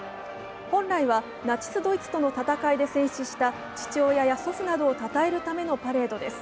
本来はナチス・ドイツとの戦いで戦死した父親や祖父などをたたえるためのパレードです。